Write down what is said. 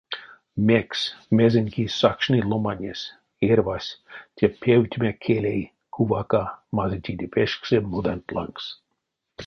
Мекс, мезень кис сакшны ломанесь, эрьвась, те певтеме келей, кувака, мазычиде пешксе моданть лангс?